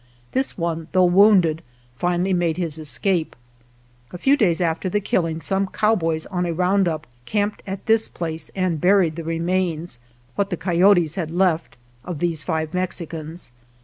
This one, though wounded, finally made his escape. A few days after the killing some cowboys on a round up camped at this place and buried the remains (what the 87 GERONIMO coyotes had left) of these five Mexicans.